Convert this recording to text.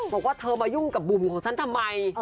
บอกว่าเธอมายุ่งกับบุ่มของฉันทำไม